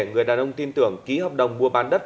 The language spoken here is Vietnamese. người đàn ông tin tưởng ký hợp đồng mua bán đất